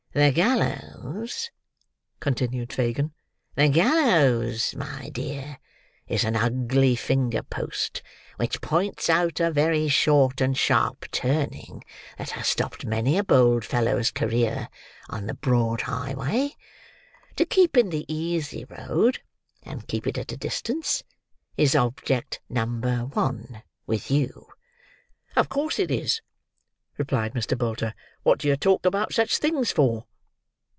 "The gallows," continued Fagin, "the gallows, my dear, is an ugly finger post, which points out a very short and sharp turning that has stopped many a bold fellow's career on the broad highway. To keep in the easy road, and keep it at a distance, is object number one with you." "Of course it is," replied Mr. Bolter. "What do yer talk about such things for?"